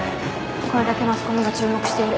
これだけマスコミが注目している。